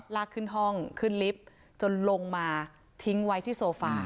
ลากขึ้นห้องขึ้นลิฟต์จนลงมาทิ้งไว้ที่โซฟา